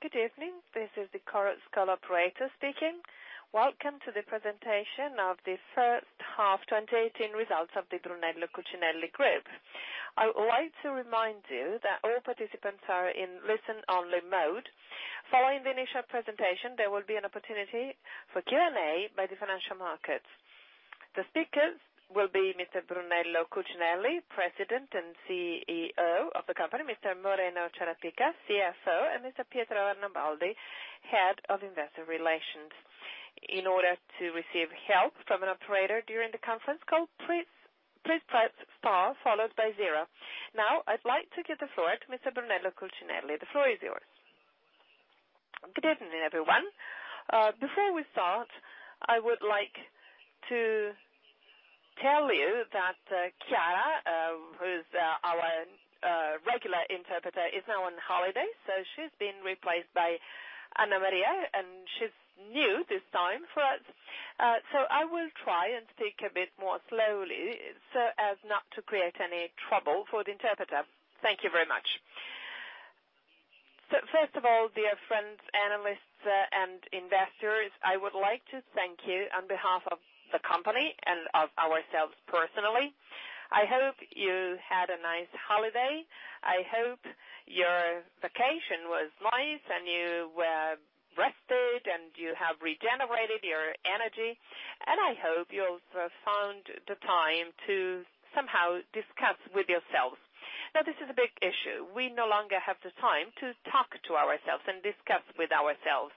Good evening. This is the conference call operator speaking. Welcome to the presentation of the first half 2018 results of the Brunello Cucinelli Group. I would like to remind you that all participants are in listen-only mode. Following the initial presentation, there will be an opportunity for Q&A by the financial markets. The speakers will be Mr. Brunello Cucinelli, President and CEO of the company, Mr. Moreno Ciarapica, CFO, and Mr. Pietro Arnaboldi, Head of Investor Relations. In order to receive help from an operator during the conference call, please press star followed by zero. I'd like to give the floor to Mr. Brunello Cucinelli. The floor is yours. Good evening, everyone. Before we start, I would like to tell you that Kiara, who's our regular interpreter, is now on holiday, she's been replaced by Anna Maria, and she's new this time for us. I will try and speak a bit more slowly so as not to create any trouble for the interpreter. Thank you very much. First of all, dear friends, analysts, and investors, I would like to thank you on behalf of the company and of ourselves personally. I hope you had a nice holiday. I hope your vacation was nice, and you were rested, and you have regenerated your energy, and I hope you also found the time to somehow discuss with yourselves. This is a big issue. We no longer have the time to talk to ourselves and discuss with ourselves.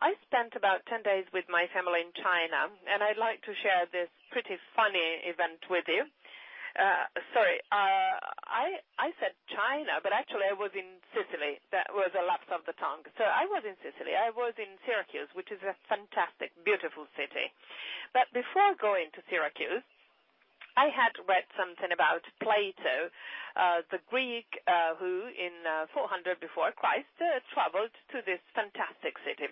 I spent about 10 days with my family in China, and I'd like to share this pretty funny event with you. Sorry, I said China, but actually, I was in Sicily. That was a lapse of the tongue. I was in Sicily. I was in Syracuse, which is a fantastic, beautiful city. Before going to Syracuse, I had read something about Plato, the Greek, who in 400 before Christ, traveled to this fantastic city.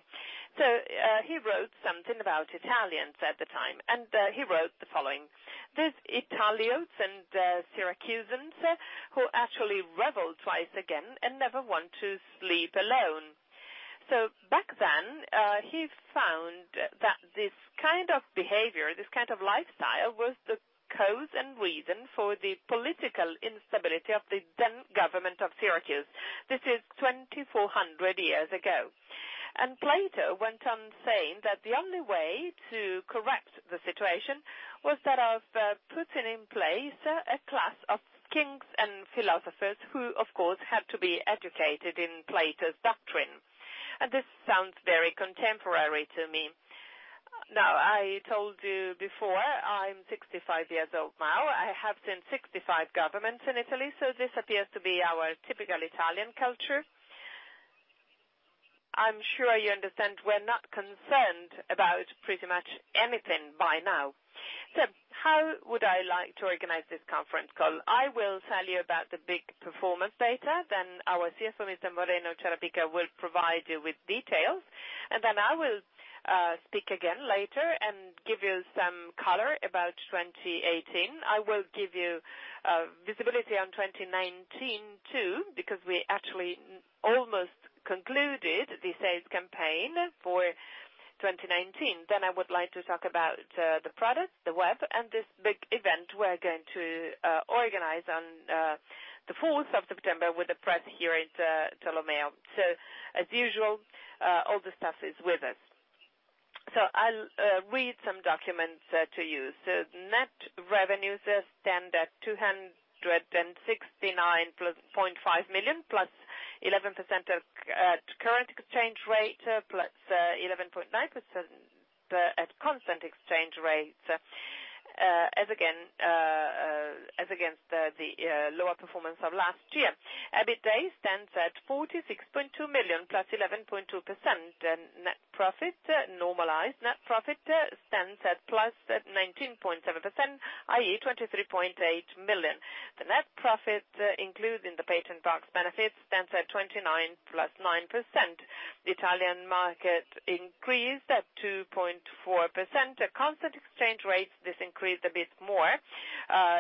He wrote something about Italians at the time, and he wrote the following, "These Italiotes and Syracusans who actually revel twice again and never want to sleep alone." Back then, he found that this kind of behavior, this kind of lifestyle, was the cause and reason for the political instability of the then government of Syracuse. This is 2,400 years ago. Plato went on saying that the only way to correct the situation was that of putting in place a class of kings and philosophers who, of course, had to be educated in Plato's doctrine. This sounds very contemporary to me. I told you before, I'm 65 years old now. I have seen 65 governments in Italy, this appears to be our typical Italian culture. I'm sure you understand we're not concerned about pretty much anything by now. How would I like to organize this conference call? I will tell you about the big performance data, then our CFO, Mr. Moreno Ciarapica, will provide you with details, and then I will speak again later and give you some color about 2018. I will give you visibility on 2019, too, because we actually almost concluded the sales campaign for 2019. Then I would like to talk about the products, the web, and this big event we're going to organize on the 4th of September with the press here in Solomeo. As usual, all the staff is with us. I'll read some documents to you. Net revenues stand at 269.5 million, +11% at current exchange rate, +11.9% at constant exchange rates as against the lower performance of last year. EBITDA stands at 46.2 million, +11.2%, and net profit, normalized net profit, stands at +19.7%, i.e., 23.8 million. The net profit including the Patent Box benefits stands at 29.9%. The Italian market increased at 2.4%. At constant exchange rates, this increased a bit more.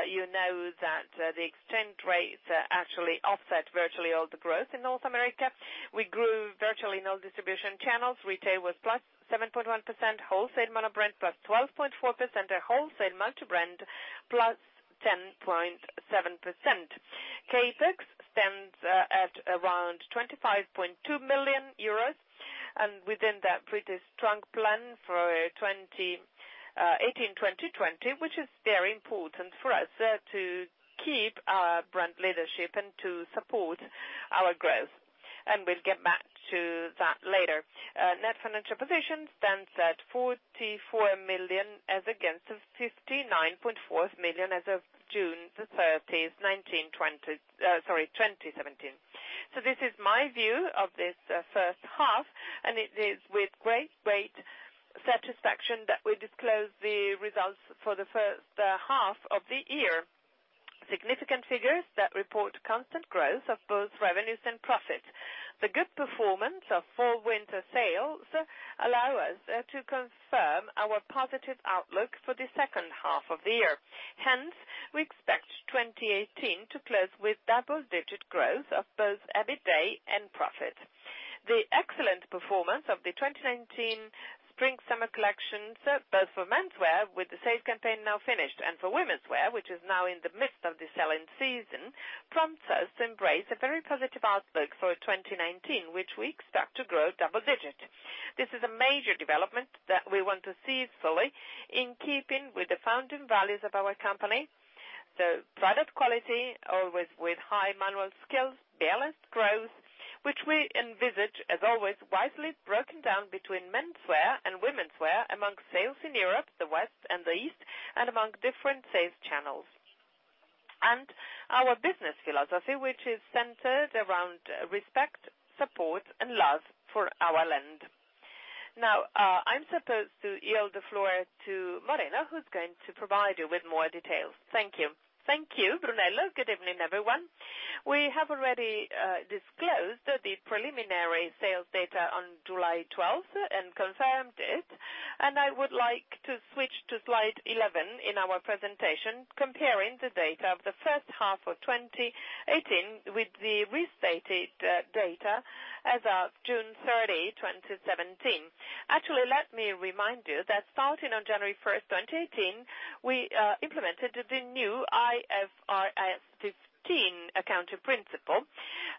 You know that the exchange rates actually offset virtually all the growth in North America. We grew virtually no distribution channels. Retail was +7.1%, wholesale mono-brand +12.4%, and wholesale multi-brand +10.7%. CapEx stands at around 25.2 million euros, and within that pretty strong plan for 2018-2020, which is very important for us to keep our brand leadership and to support our growth, and we'll get back to that later. Net financial position stands at 44 million as against 59.4 million as of June 30, 2017. This is my view of this first half, and it is with great satisfaction that we disclose the results for the first half of the year. Significant figures that report constant growth of both revenues and profit. The good performance of fall/winter sales allow us to confirm our positive outlook for the second half of the year. We expect 2018 to close with double-digit growth of both EBITDA and profit. The excellent performance of the 2019 spring/summer collections, both for menswear, with the sales campaign now finished, and for womenswear, which is now in the midst of the selling season, prompts us to embrace a very positive outlook for 2019, which we expect to grow double-digit. This is a major development that we want to see fully in keeping with the founding values of our company. The product quality, always with high manual skills, balanced growth, which we envisage, as always, wisely broken down between menswear and womenswear, amongst sales in Europe, the West and the East, and among different sales channels. Our business philosophy, which is centered around respect, support, and love for our land. I'm supposed to yield the floor to Moreno, who's going to provide you with more details. Thank you. Thank you, Brunello. Good evening, everyone. We have already disclosed the preliminary sales data on July 12th and confirmed it. I would like to switch to slide 11 in our presentation, comparing the data of the first half of 2018 with the restated data as of June 30, 2017. Let me remind you that starting on January 1st, 2018, we implemented the new IFRS 15 accounting principle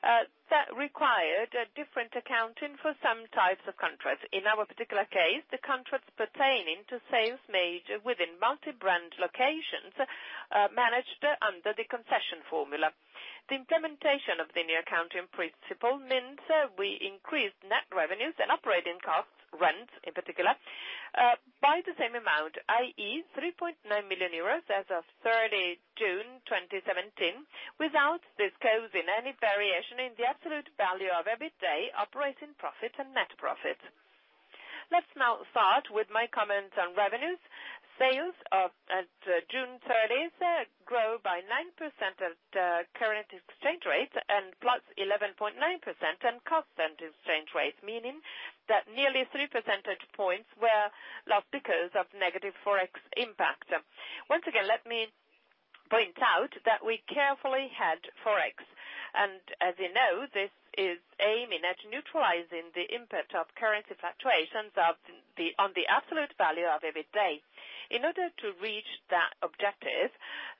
that required a different accounting for some types of contracts. In our particular case, the contracts pertaining to sales made within multi-brand locations managed under the concession formula. The implementation of the new accounting principle means we increased net revenues and operating costs, rent in particular, by the same amount, i.e., 3.9 million euros as of 30th June 2017, without this causing any variation in the absolute value of EBITDA, operating profit, and net profit. Let's now start with my comments on revenues. Sales at June 30th grow by 9% at the current exchange rate and +11.9% at constant exchange rate, meaning that nearly three percentage points were lost because of negative Forex impact. Once again, let me point out that we carefully hedged Forex. As you know, this is aiming at neutralizing the impact of currency fluctuations on the absolute value of EBITDA. In order to reach that objective,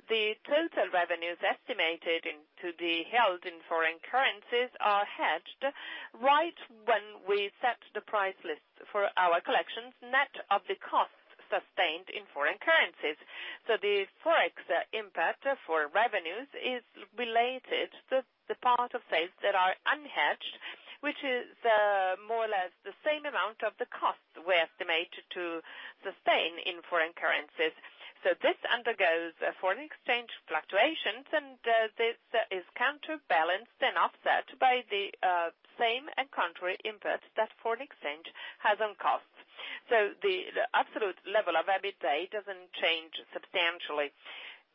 the total revenues estimated to be held in foreign currencies are hedged right when we set the price list for our collections, net of the cost sustained in foreign currencies. The Forex impact for revenues is related to the part of sales that are unhedged, which is more or less the same amount of the cost we estimate to sustain in foreign currencies. This undergoes foreign exchange fluctuations, and this is counterbalanced and offset by the same and contrary impact that foreign exchange has on costs. The absolute level of EBITDA doesn't change substantially.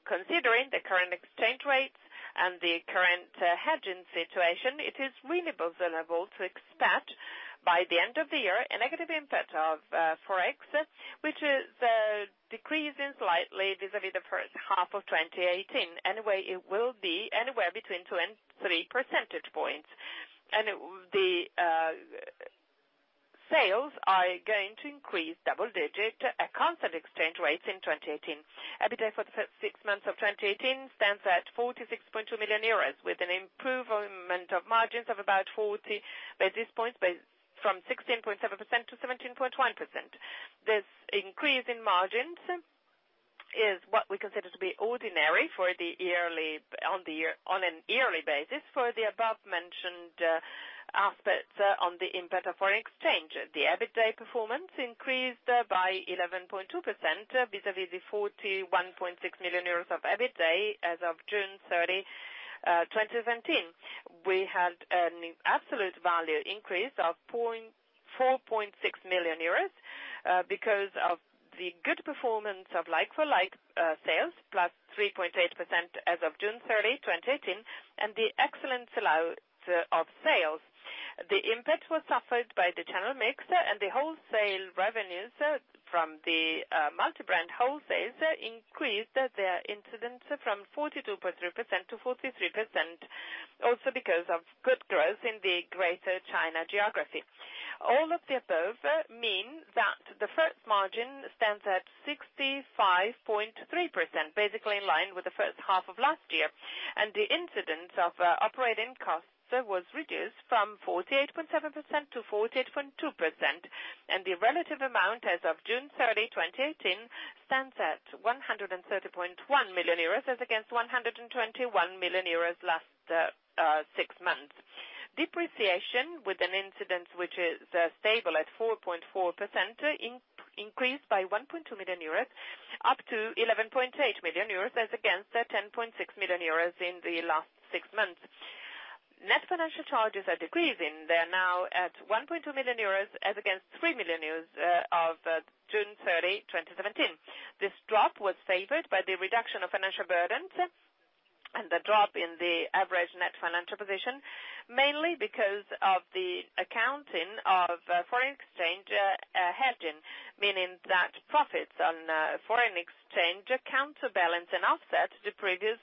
Considering the current exchange rates and the current hedging situation, it is reasonable to expect, by the end of the year, a negative impact of Forex, which is decreasing slightly vis-à-vis the first half of 2018. Anyway, it will be anywhere between two and three percentage points. The sales are going to increase double digit at constant exchange rates in 2018. EBITDA for the first six months of 2018 stands at 46.2 million euros, with an improvement of margins of about 40 basis points, from 16.7% to 17.1%. This increase in margins is what we consider to be ordinary on an yearly basis for the above-mentioned aspects on the impact of foreign exchange. The EBITDA performance increased by 11.2% vis-à-vis the 41.6 million euros of EBITDA as of June 30, 2017. We had an absolute value increase of 4.6 million euros because of the good performance of like-for-like sales, plus 3.8% as of June 30, 2018, and the excellent sell-out of sales. The impact was suffered by the channel mix and the wholesale revenues from the multi-brand wholesales increased their incidence from 42.3% to 43%, also because of good growth in the Greater China geography. All of the above mean that the first margin stands at 65.3%, basically in line with the first half of last year, and the incidence of operating costs was reduced from 48.7% to 48.2%, and the relative amount as of June 30, 2018, stands at 130.1 million euros as against 121 million euros last six months. Depreciation with an incidence which is stable at 4.4%, increased by 1.2 million euros up to 11.8 million euros as against 10.6 million euros in the last six months. Net financial charges are decreasing. They're now at 1.2 million euros as against 3 million euros of June 30, 2017. This drop was favored by the reduction of financial burdens and the drop in the average net financial position, mainly because of the accounting of foreign exchange hedging. Meaning that profits on foreign exchange counterbalance and offset the previous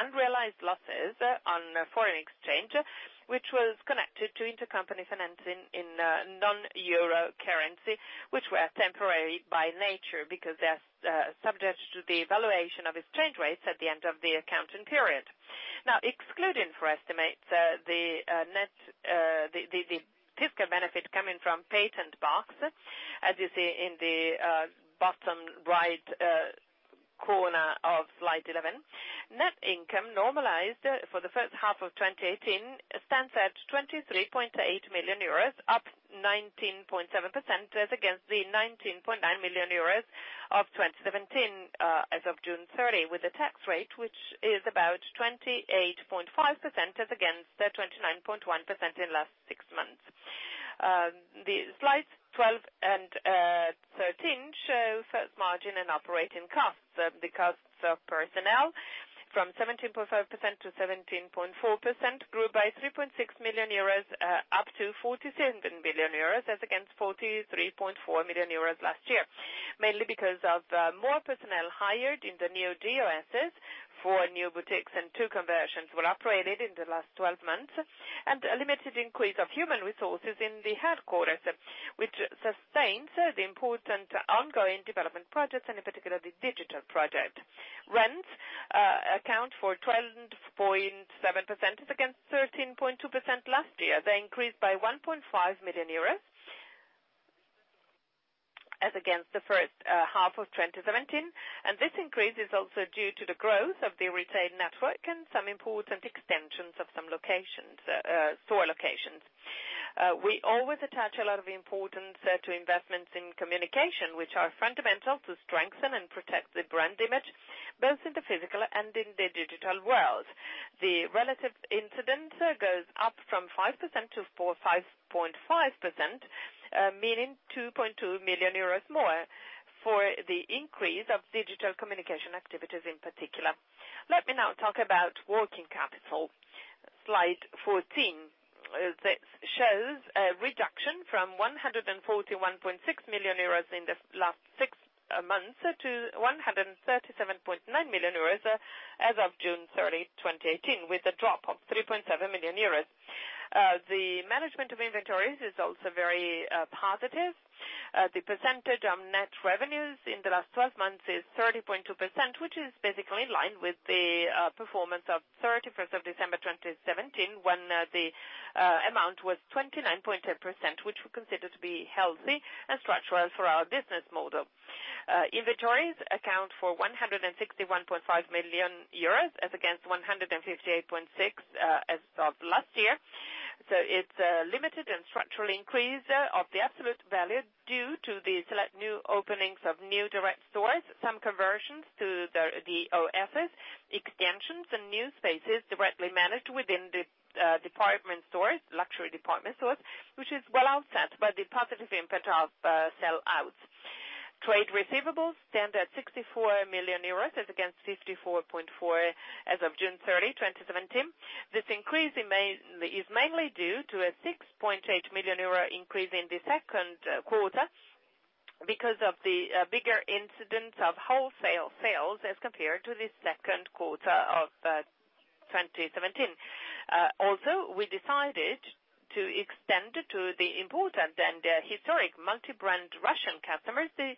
unrealized losses on foreign exchange, which was connected to intercompany financing in non-EUR currency, which were temporary by nature because they are subject to the evaluation of exchange rates at the end of the accounting period. Excluding for estimates the fiscal benefit coming from Patent Box, as you see in the bottom right corner of slide 11. Net income normalized for the first half of 2018 stands at 23.8 million euros, up 19.7% as against the 19.9 million euros of 2017, as of June 30. With a tax rate which is about 28.5% as against the 29.1% in last six months. The slides 12 and 13 show sales margin and operating costs. The costs of personnel from 17.5% to 17.4% grew by 3.6 million euros, up to 47 million euros as against 43.4 million euros last year, mainly because of more personnel hired in the new DOSs. Four new boutiques and two conversions were operated in the last 12 months, a limited increase of human resources in the headquarters, which sustains the important ongoing development projects and in particular, the digital project. Rents account for 12.7% as against 13.2% last year. They increased by 1.5 million euros as against the first half of 2017. This increase is also due to the growth of the retail network and some important extensions of some store locations. We always attach a lot of importance to investments in communication, which are fundamental to strengthen and protect the brand image, both in the physical and in the digital world. The relative incidence goes up from 5% to 5.5%, meaning 2.2 million euros more for the increase of digital communication activities in particular. Let me now talk about working capital. Slide 14 shows a reduction from 141.6 million euros in the last six months to 137.9 million euros as of June 30, 2018, with a drop of 3.7 million euros. The management of inventories is also very positive. The percentage of net revenues in the last 12 months is 30.2%, which is basically in line with the performance of 31st of December 2017, when the amount was 29.2%, which we consider to be healthy and structural for our business model. Inventories account for 161.5 million euros as against 158.6 as of last year. It's a limited and structural increase of the absolute value due to the select new openings of new direct stores, some conversions to the [OFs], extensions and new spaces directly managed within the department stores, luxury department stores, which is well offset by the positive impact of sellouts. Trade receivables stand at 64 million euros as against 54.4 as of June 30, 2017. This increase is mainly due to a 6.8 million euro increase in the second quarter because of the bigger incidence of wholesale sales as compared to the second quarter of 2017. We decided to extend to the important and historic multi-brand Russian customers, the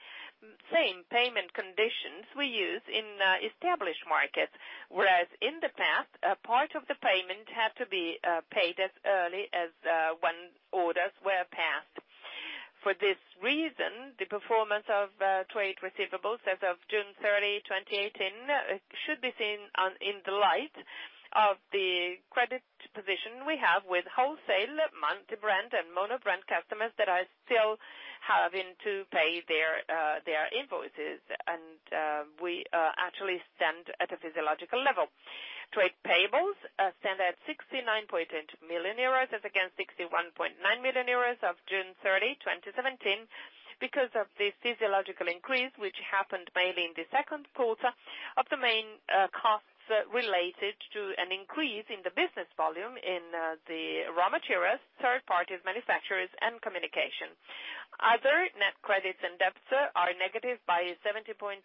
same payment conditions we use in established markets. Whereas in the past, a part of the payment had to be paid as early as when orders were passed. For this reason, the performance of trade receivables as of June 30, 2018, should be seen in the light of the credit position we have with wholesale multi-brand and mono-brand customers that are still having to pay their invoices. We actually stand at a physiological level. Trade payables stand at 69.8 million euros as against 61.9 million euros as of June 30, 2017, because of the physiological increase, which happened mainly in the second quarter of the main costs related to an increase in the business volume in the raw materials, third parties, manufacturers and communication. Other net credits and debts are negative by 17.8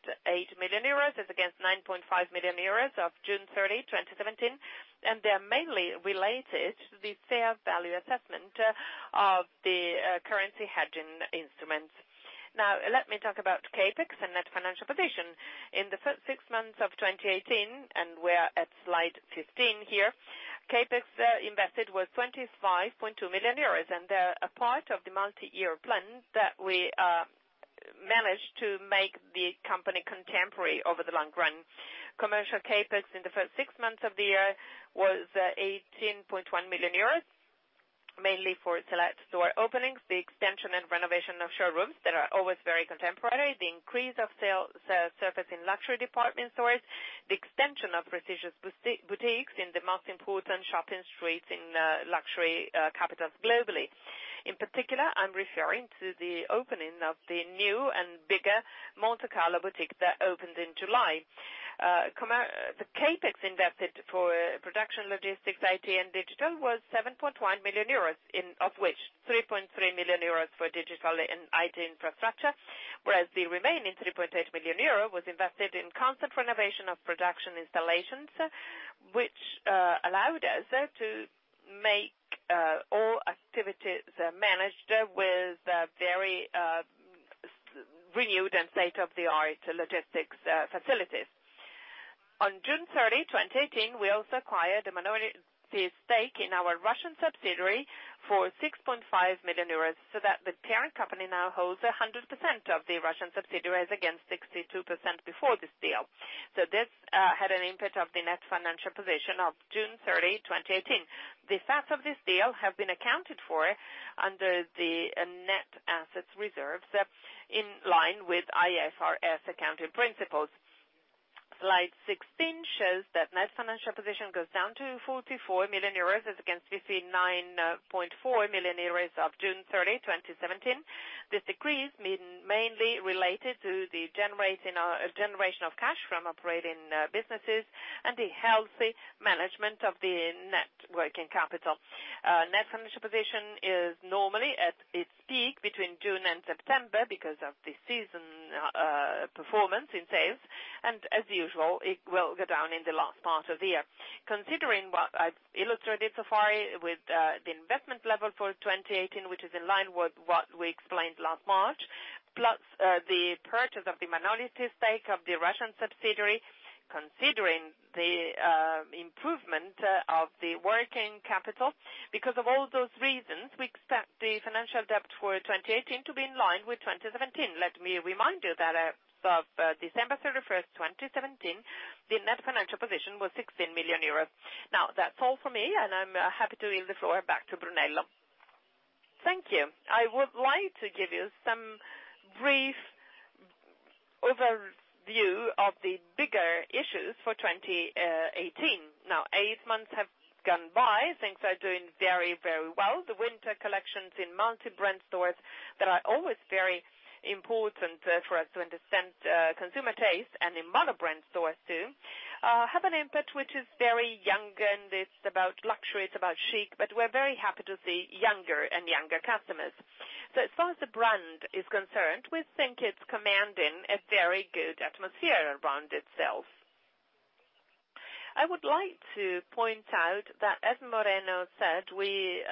million euros as against 9.5 million euros as of June 30, 2017, and they're mainly related to the fair value assessment of the currency hedging instruments. Let me talk about CapEx and net financial position. In the first six months of 2018, we're at slide 15 here. CapEx invested was 25.2 million euros, and they're a part of the multi-year plan that we managed to make the company contemporary over the long run. Commercial CapEx in the first six months of the year was 18.1 million euros, mainly for select store openings, the extension and renovation of showrooms that are always very contemporary, the increase of sales surface in luxury department stores, the extension of prestigious boutiques in the most important shopping streets in luxury capitals globally. In particular, I'm referring to the opening of the new and bigger Monte Carlo boutique that opened in July. The CapEx invested for production, logistics, IT, and digital was 7.1 million euros, of which 3.3 million euros for digital and IT infrastructure, whereas the remaining 3.8 million euros was invested in constant renovation of production installations, which allowed us to make all activities managed with very renewed and state-of-the-art logistics facilities. On June 30, 2018, we also acquired a minority stake in our Russian subsidiary for 6.5 million euros, so that the parent company now holds 100% of the Russian subsidiary, as against 62% before this deal. This had an impact of the net financial position of June 30, 2018. The facts of this deal have been accounted for under the net assets reserves, in line with IFRS accounting principles. Slide 16 shows that net financial position goes down to 44 million euros as against 59.4 million euros of June 30, 2017. This decrease mainly related to the generation of cash from operating businesses and the healthy management of the net working capital. Net financial position is normally at its peak between June and September because of the season performance in sales, and as usual, it will go down in the last part of the year. Considering what I've illustrated so far with the investment level for 2018, which is in line with what we explained last March, plus the purchase of the minority stake of the Russian subsidiary, considering the improvement of the working capital, because of all those reasons, we expect the financial debt for 2018 to be in line with 2017. Let me remind you that as of December 31st, 2017, the net financial position was 16 million euros. That's all for me, and I'm happy to yield the floor back to Brunello. Thank you. I would like to give you some brief overview of the bigger issues for 2018. Eight months have gone by. Things are doing very, very well. The winter collections in multi-brand stores that are always very important for us to understand consumer taste, and in mono-brand stores too, have an impact which is very young, and it's about luxury, it's about chic. We're very happy to see younger and younger customers. As far as the brand is concerned, we think it's commanding a very good atmosphere around itself. I would like to point out that, as Moreno said, we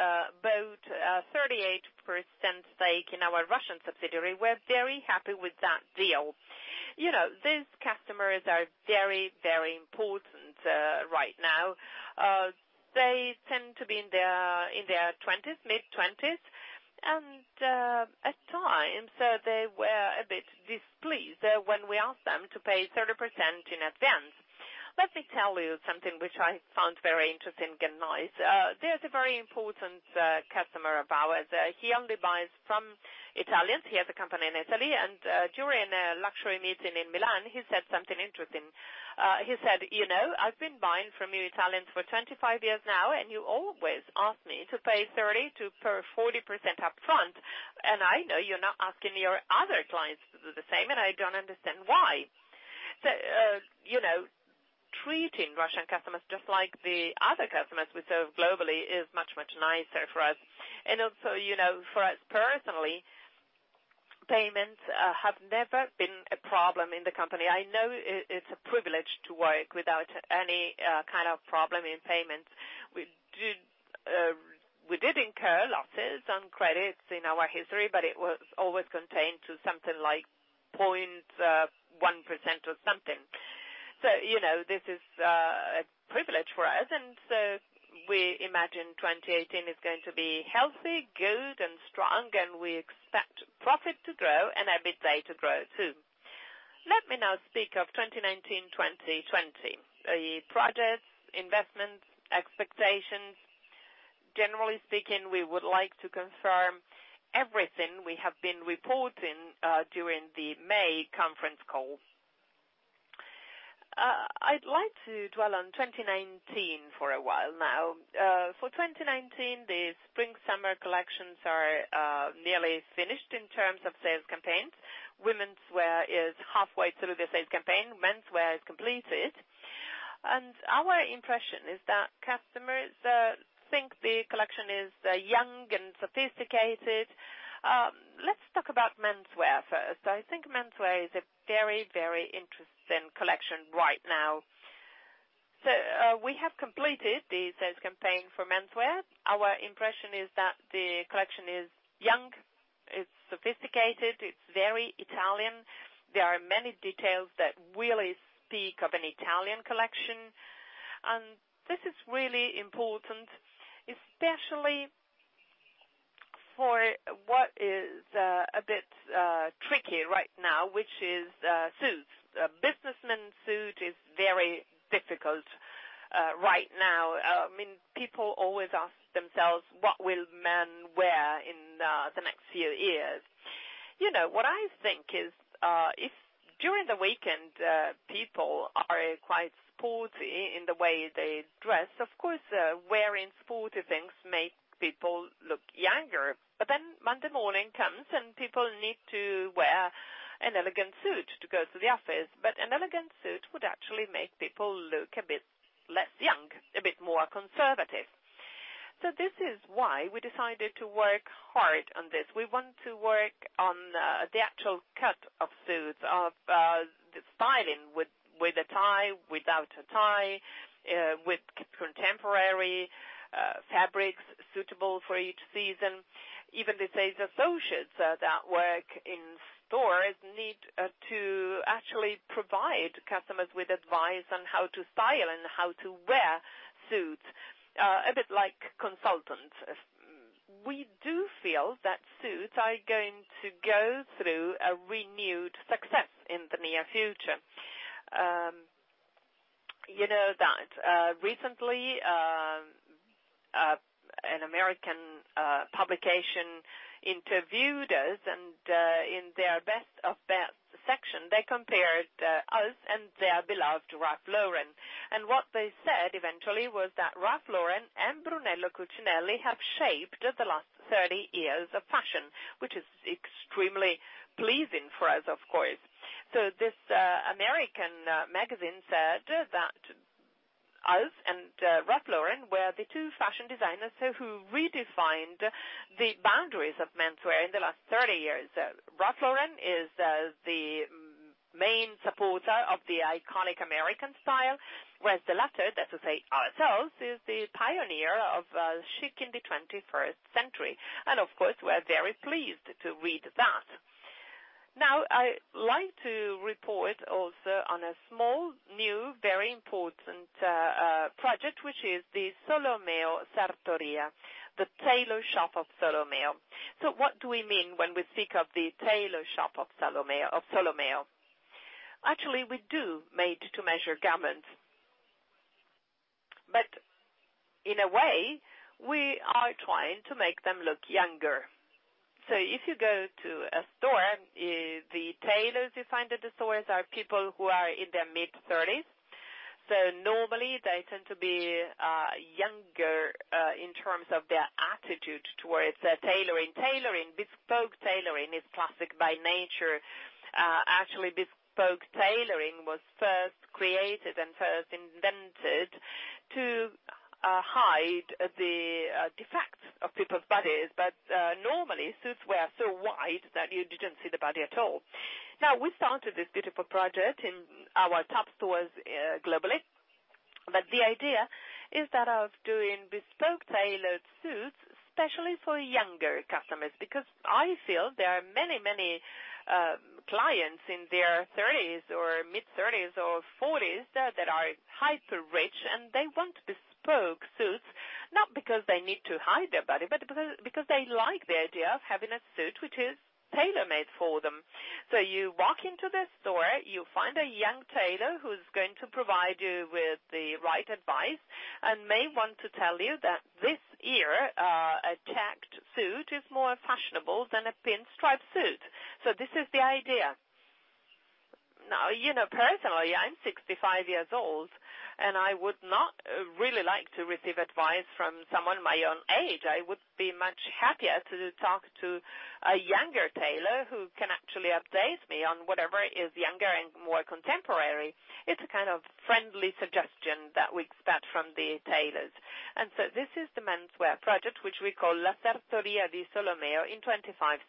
bought a 38% stake in our Russian subsidiary. We're very happy with that deal. These customers are very, very important right now. They tend to be in their 20s, mid-20s, and at times, they were a bit displeased when we asked them to pay 30% in advance. Let me tell you something which I found very interesting and nice. There's a very important customer of ours. He only buys from Italians. He has a company in Italy, and during a luxury meeting in Milan, he said something interesting. He said, "You know, I've been buying from you Italians for 25 years now, and you always ask me to pay 30%-40% up front, and I know you're not asking your other clients the same, and I don't understand why." Treating Russian customers just like the other customers we serve globally is much, much nicer for us. For us personally, payments have never been a problem in the company. I know it's a privilege to work without any kind of problem in payments. We did incur losses on credits in our history, but it was always contained to something like 0.1% or something. This is a privilege for us, and so we imagine 2018 is going to be healthy, good, and strong, and we expect profit to grow and EBITDA to grow, too. Let me now speak of 2019, 2020. The projects, investments, expectations. Generally speaking, we would like to confirm everything we have been reporting during the May conference call. I'd like to dwell on 2019 for a while now. For 2019, the spring/summer collections are nearly finished in terms of sales campaigns. Womenswear is halfway through the sales campaign. Menswear is completed. Our impression is that customers think the collection is young and sophisticated. Let's talk about menswear first. I think menswear is a very, very interesting collection right now. We have completed the sales campaign for menswear. Our impression is that the collection is young, it's sophisticated, it's very Italian. There are many details that really speak of an Italian collection, and this is really important, especially for what is a bit tricky right now, which is suits. Businessman suit is very difficult right now. People always ask themselves, what will men wear in the next few years? What I think is, if during the weekend, people are quite sporty in the way they dress, of course, wearing sporty things make people look younger. Monday morning comes, and people need to wear an elegant suit to go to the office. An elegant suit would actually make people look a bit less young, a bit more conservative. This is why we decided to work hard on this. We want to work on the actual cut of suits, of the styling, with a tie, without a tie, with contemporary fabrics suitable for each season. Even the sales associates that work in stores need to actually provide customers with advice on how to style and how to wear suits, a bit like consultants. We do feel that suits are going to go through a renewed success in the near future. You know that recently, an American publication interviewed us, and in their Best of Best section, they compared us and their beloved Ralph Lauren. What they said eventually was that Ralph Lauren and Brunello Cucinelli have shaped the last 30 years of fashion, which is extremely pleasing for us, of course. This American magazine said that us and Ralph Lauren were the two fashion designers who redefined the boundaries of menswear in the last 30 years. Ralph Lauren is the main supporter of the iconic American style, whereas the latter, that is to say, ourselves, is the pioneer of chic in the 21st century. Of course, we're very pleased to read that. I'd like to report also on a small, new, very important project, which is the Sartoria Solomeo, the tailor shop of Solomeo. What do we mean when we speak of the tailor shop of Solomeo? Actually, we do made-to-measure garments. In a way, we are trying to make them look younger. If you go to a store, the tailors you find at the stores are people who are in their mid-30s. Normally, they tend to be younger in terms of their attitude towards tailoring. Bespoke tailoring is classic by nature. Actually, bespoke tailoring was first created and first invented to hide the defects of people's bodies. Normally, suits were so wide that you didn't see the body at all. We started this beautiful project in our top stores globally. The idea is that of doing bespoke tailored suits, especially for younger customers, because I feel there are many clients in their 30s or mid-30s or 40s that are hyper-rich, and they want bespoke suits, not because they need to hide their body, but because they like the idea of having a suit which is tailor-made for them. You walk into the store, you find a young tailor who's going to provide you with the right advice and may want to tell you that this year, a tacked suit is more fashionable than a pinstripe suit. This is the idea. Personally, I'm 65 years old, and I would not really like to receive advice from someone my own age. I would be much happier to talk to a younger tailor who can actually update me on whatever is younger and more contemporary. It's a kind of friendly suggestion that we expect from the tailors. This is the menswear project, which we call La Sartoria di Solomeo, in 25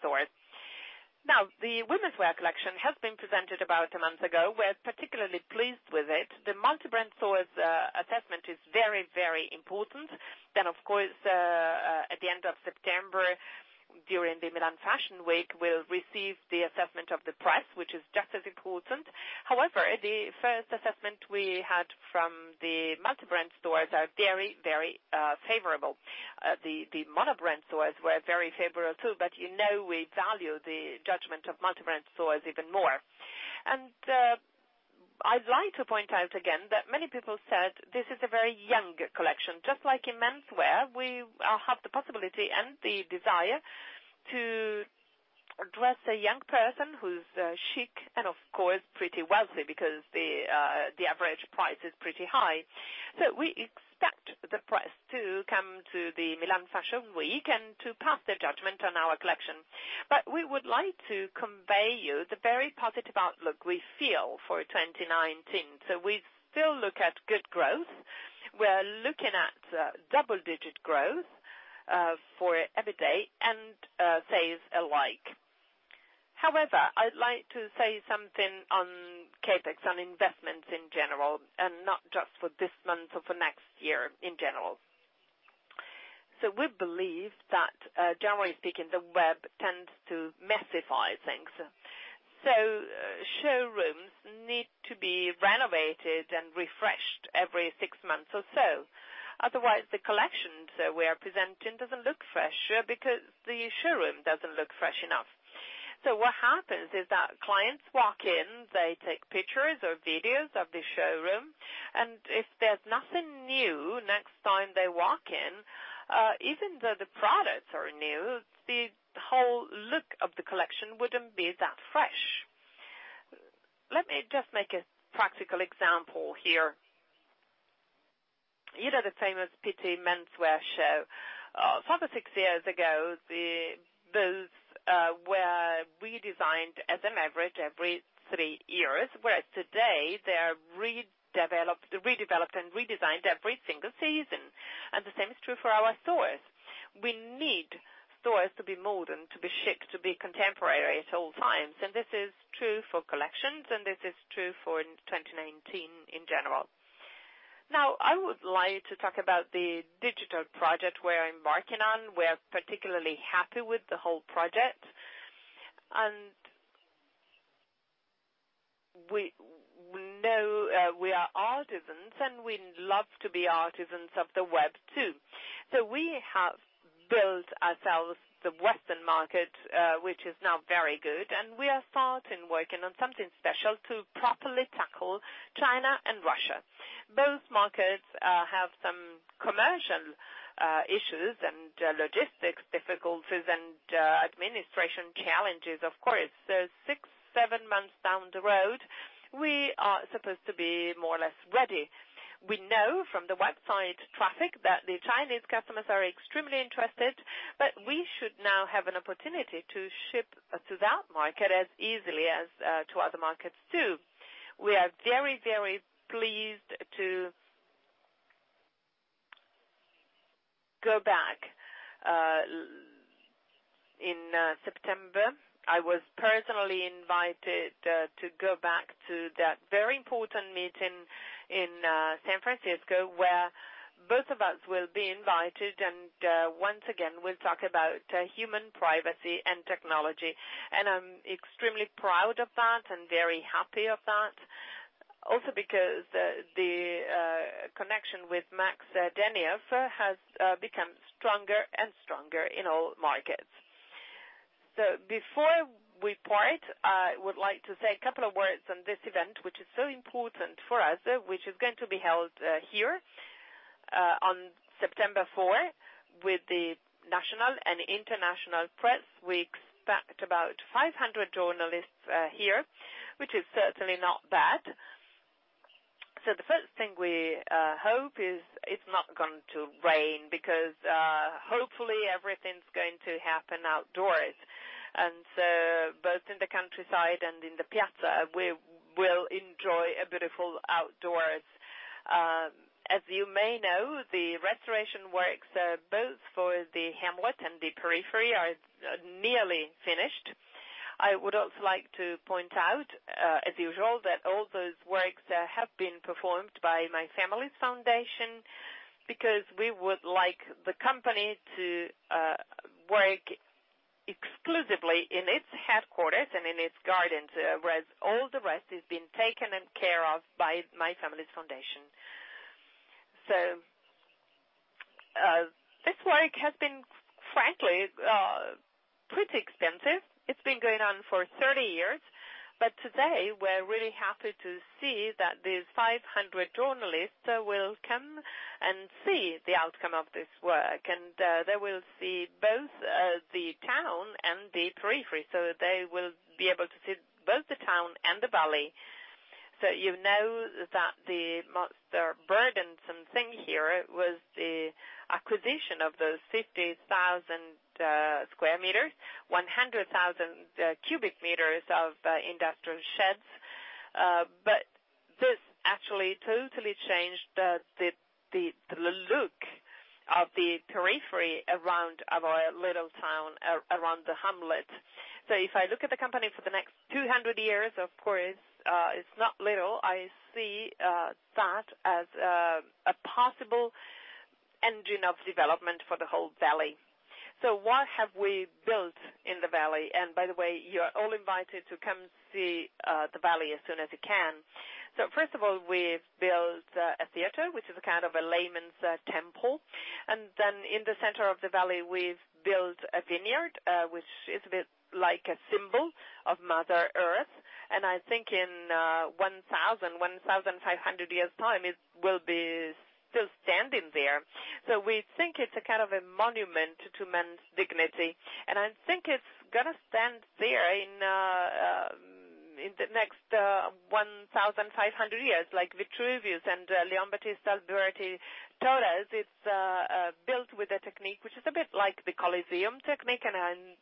stores. The womenswear collection has been presented about a month ago. We're particularly pleased with it. The multibrand stores assessment is very important. Of course, at the end of September, during the Milan Fashion Week, we'll receive the assessment of the press, which is just as important. The first assessment we had from the multibrand stores are very favorable. The monobrand stores were very favorable, too, but you know we value the judgment of multibrand stores even more. I'd like to point out again that many people said this is a very young collection. Just like in menswear, we have the possibility and the desire to dress a young person who's chic and, of course, pretty wealthy, because the average price is pretty high. We expect the press to come to the Milan Fashion Week and to pass their judgment on our collection. We would like to convey you the very positive outlook we feel for 2019. We still look at good growth. We're looking at double-digit growth for EBITDA and sales alike. I'd like to say something on CapEx, on investments in general, and not just for this month or for next year, in general. We believe that, generally speaking, the web tends to messify things. Showrooms need to be renovated and refreshed every six months or so. Otherwise, the collections we are presenting doesn't look fresh, because the showroom doesn't look fresh enough. What happens is that clients walk in, they take pictures or videos of the showroom, and if there's nothing new, next time they walk in, even though the products are new, the whole look of the collection wouldn't be that fresh. Let me just make a practical example here. You know the famous Pitti menswear show. five or six years ago, those were redesigned as an average every three years, whereas today, they are redeveloped and redesigned every single season. The same is true for our stores. We need stores to be modern, to be chic, to be contemporary at all times. This is true for collections, and this is true for 2019 in general. Now, I would like to talk about the digital project we're embarking on. We're particularly happy with the whole project. We know we are artisans, and we love to be artisans of the web, too. We have built ourselves the Western market, which is now very good, and we are starting working on something special to properly tackle China and Russia. Both markets have some commercial issues and logistics difficulties and administration challenges, of course. Six, seven months down the road, we are supposed to be more or less ready. We know from the website traffic that the Chinese customers are extremely interested, but we should now have an opportunity to ship to that market as easily as to other markets, too. We are very pleased to go back. In September, I was personally invited to go back to that very important meeting in San Francisco, where both of us will be invited, and once again, we'll talk about human privacy and technology. I'm extremely proud of that and very happy of that, also because the connection with Max Tegmark has become stronger and stronger in all markets. Before we part, I would like to say a couple of words on this event, which is so important for us, which is going to be held here on September 4 with the national and international press. We expect about 500 journalists here, which is certainly not bad. The first thing we hope is it's not going to rain, because hopefully, everything's going to happen outdoors. Both in the countryside and in the piazza, we will enjoy a beautiful outdoors. As you may know, the restoration works, both for the hamlet and the periphery, are nearly finished. I would also like to point out, as usual, that all those works have been performed by my family's foundation because we would like the company to work exclusively in its headquarters and in its gardens, whereas all the rest is being taken and care of by my family's foundation. This work has been, frankly, pretty expensive. It's been going on for 30 years. Today, we're really happy to see that these 500 journalists will come and see the outcome of this work. They will see both the town and the periphery. They will be able to see both the town and the valley. You know that the most burdensome thing here was the acquisition of those 50,000 square meters, 100,000 cubic meters of industrial sheds. This actually totally changed the look of the periphery around our little town, around the hamlet. If I look at the company for the next 200 years, of course, it's not little. I see that as a possible engine of development for the whole valley. What have we built in the valley? By the way, you're all invited to come see the valley as soon as you can. First of all, we've built a theater, which is a kind of a layman's temple. Then in the center of the valley, we've built a vineyard, which is a bit like a symbol of Mother Earth. I think in 1,000, 1,500 years' time, it will be still standing there. We think it's a kind of a monument to man's dignity. I think it's going to stand there in the next 1,500 years, like Vitruvius and Leon Battista Alberti told us. It's built with a technique which is a bit like the Colosseum technique, I'm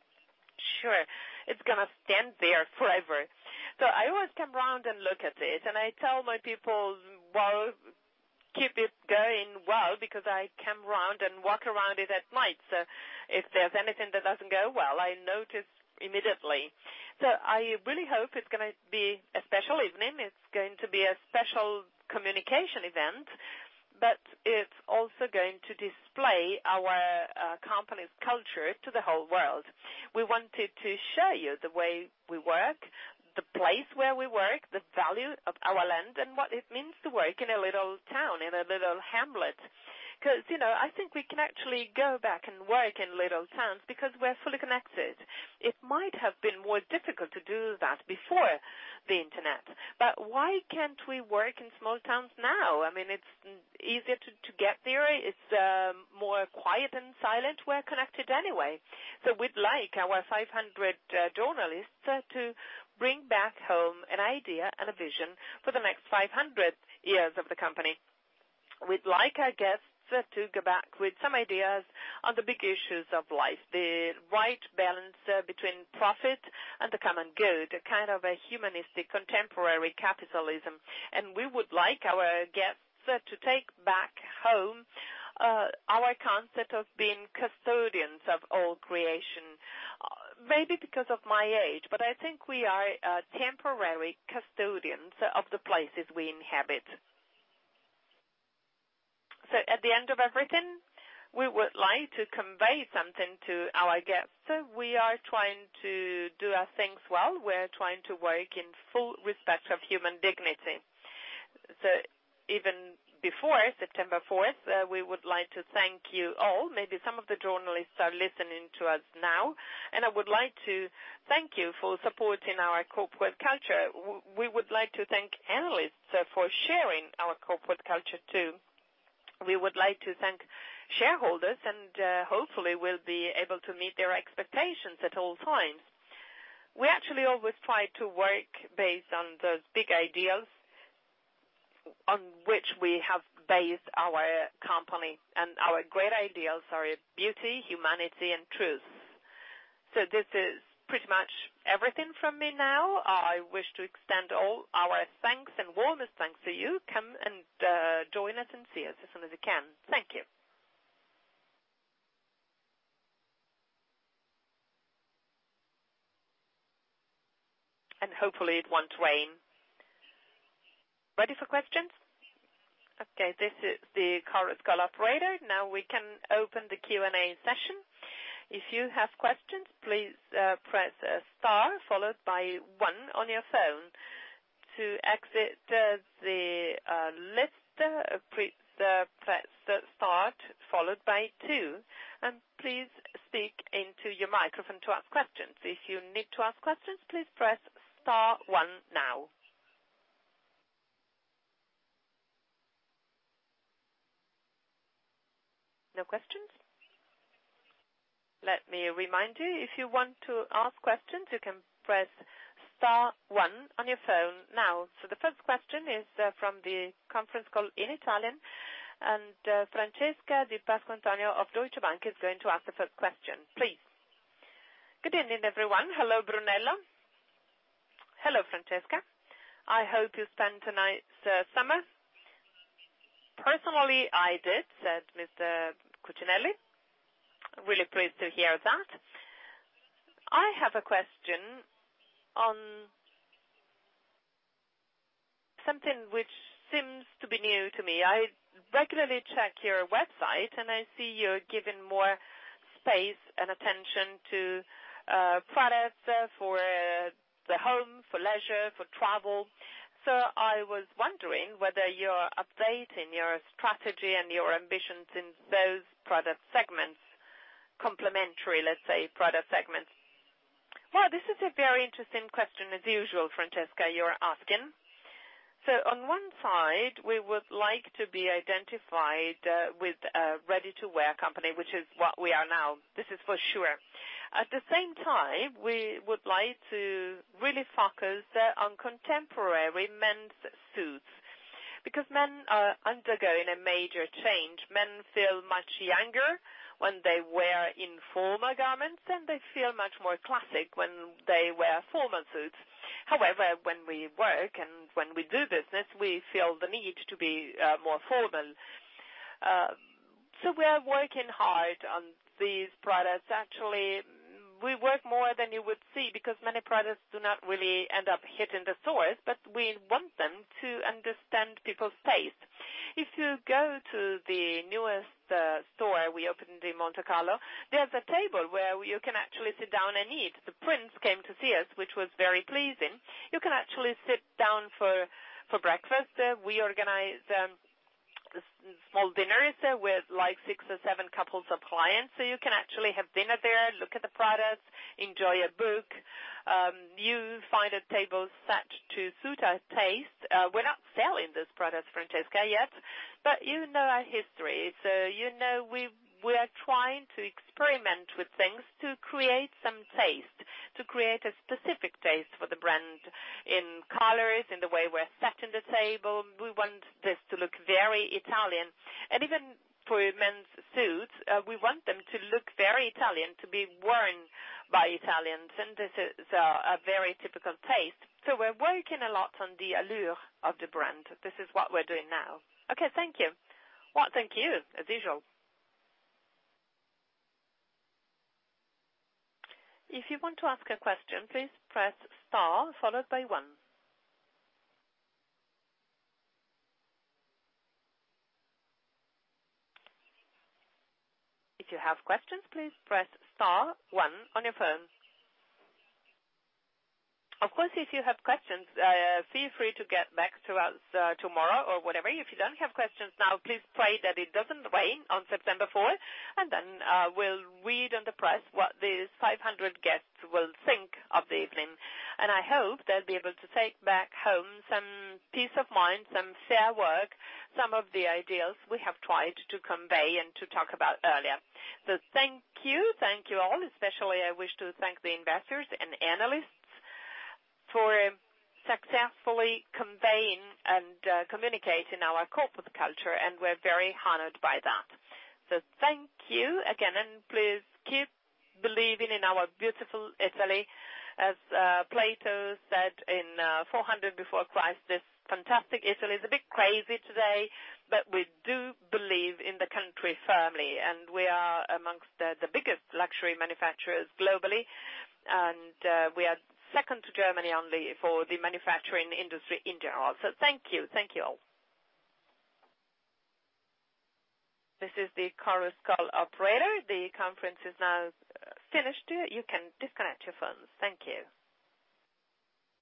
sure it's going to stand there forever. I always come around and look at it, I tell my people, "Well, keep it going well," because I come around and walk around it at night. If there's anything that doesn't go well, I notice immediately. I really hope it's going to be a special evening. It's going to be a special communication event. It's also going to display our company's culture to the whole world. We wanted to show you the way we work, the place where we work, the value of our land, what it means to work in a little town, in a little hamlet. I think we can actually go back and work in little towns because we're fully connected. It might have been more difficult to do that before the internet, why can't we work in small towns now? It's easier to get there. It's more quiet and silent. We're connected anyway. We'd like our 500 journalists to bring back home an idea and a vision for the next 500 years of the company. We'd like our guests to go back with some ideas on the big issues of life, the right balance between profit and the common good, a kind of humanistic, contemporary capitalism. We would like our guests to take back home our concept of being custodians of all creation. Maybe because of my age, but I think we are temporary custodians of the places we inhabit. At the end of everything, we would like to convey something to our guests. We are trying to do our things well. We're trying to work in full respect of human dignity. Even before September 4th, we would like to thank you all. Maybe some of the journalists are listening to us now, I would like to thank you for supporting our corporate culture. We would like to thank analysts for sharing our corporate culture, too. We would like to thank shareholders, hopefully, we'll be able to meet their expectations at all times. We actually always try to work based on those big ideals on which we have based our company, our great ideals are beauty, humanity, and truth. This is pretty much everything from me now. I wish to extend all our thanks and warmest thanks to you. Come and join us and see us as soon as you can. Thank you. Hopefully, it won't rain. Ready for questions? Okay, this is the conference call operator. Now we can open the Q&A session. If you have questions, please press star followed by one on your phone. To exit the list, press star followed by two, and please speak into your microphone to ask questions. If you need to ask questions, please press star one now. No questions? Let me remind you, if you want to ask questions, you can press star one on your phone now. The first question is from the conference call in Italian, and Francesca Di Pasquantonio of Deutsche Bank is going to ask the first question. Please. Good evening, everyone. Hello, Brunello. Hello, Francesca. I hope you spent a nice summer. "Personally, I did," said Mr. Cucinelli. Really pleased to hear that. I have a question on something which seems to be new to me. I regularly check your website, and I see you're giving more space and attention to products for the home, for leisure, for travel. I was wondering whether you're updating your strategy and your ambitions in those product segments, complementary, let's say, product segments. Well, this is a very interesting question, as usual, Francesca, you're asking. On one side, we would like to be identified with a ready-to-wear company, which is what we are now, this is for sure. At the same time, we would like to really focus on contemporary men's suits because men are undergoing a major change. Men feel much younger when they wear informal garments, and they feel much more classic when they wear formal suits. However, when we work and when we do business, we feel the need to be more formal. We are working hard on these products. Actually, we work more than you would see because many products do not really end up hitting the stores, but we want them to understand people's taste. If you go to the newest store we opened in Monte Carlo, there's a table where you can actually sit down and eat. The prince came to see us, which was very pleasing. You can actually sit down for breakfast. We organize small dinners there with six or seven couples of clients. You can actually have dinner there, look at the products, enjoy a book. You find a table set to suit our taste. We're not selling those products, Francesca, yet, but you know our history. You know we are trying to experiment with things to create some taste, to create a specific taste for the brand in colors, in the way we're setting the table. We want this to look very Italian. Even for men's suits, we want them to look very Italian, to be worn by Italians, and this is a very typical taste. We're working a lot on the allure of the brand. This is what we're doing now. Okay, thank you. Well, thank you, as usual. If you want to ask a question, please press star followed by one. If you have questions, please press star one on your phone. Of course, if you have questions, feel free to get back to us tomorrow or whenever. If you don't have questions now, please pray that it doesn't rain on September 4th, and then we'll read in the press what these 500 guests will think of the evening. I hope they'll be able to take back home some peace of mind, some fair work, some of the ideas we have tried to convey and to talk about earlier. Thank you. Thank you all, especially I wish to thank the investors and analysts for successfully conveying and communicating our corporate culture, and we're very honored by that. Thank you again, and please keep believing in our beautiful Italy. As Plato said in 400 Before Christ, this fantastic Italy is a bit crazy today, but we do believe in the country firmly, and we are amongst the biggest luxury manufacturers globally, and we are second to Germany only for the manufacturing industry in general. Thank you. Thank you all. This is the conference call operator. The conference is now finished. You can disconnect your phones. Thank you.